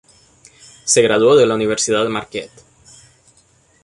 Se gradúo en la Universidad Marquette.